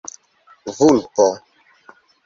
vulpo